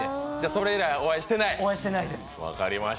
それ以来、お会いしてないです。